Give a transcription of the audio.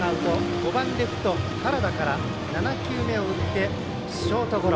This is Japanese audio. ５番、レフト、原田から７球目を打ってショートゴロ。